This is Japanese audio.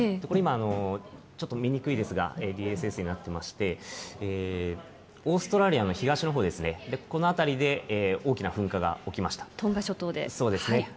これ、今、ちょっと見にくいですが、ＤＳＳになっていまして、オーストラリアの東のほうですね、この辺りで大きな噴火が起きましトンガ諸島で。